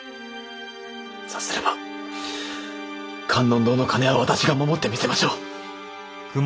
さすれば観音堂の金は私が守ってみせましょう！